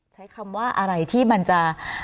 ใช้คำว่าอะไรที่มันจะ